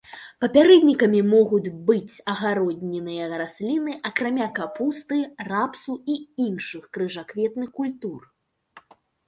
Папярэднікамі могуць быць многія агароднінныя расліны, акрамя капусты, рапсу і іншых крыжакветных культур.